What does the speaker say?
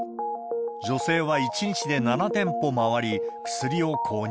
女性は１日で７店舗回り、薬を購入。